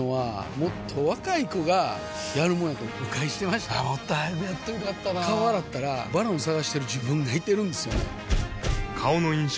もっと早くやっといたら良かったなぁ顔洗ったら「ＶＡＲＯＮ」探してる自分がいてるんですよね